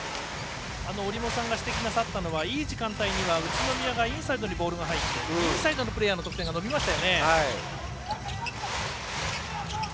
折茂さんが指摘なさったのはいい時間帯には宇都宮がインサイドにボールが入ってインサイドのプレーヤーの得点が伸びましたよね。